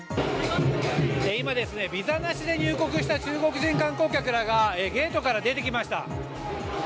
今ですね、ビザなしで入国した中国観光客らがゲートから出てきました。